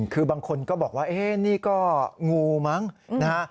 คือบางคนก็บอกว่านี่ก็งูมั้งนะฮะ